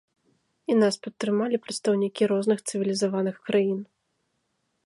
І нас падтрымалі прадстаўнікі розных цывілізаваных краін.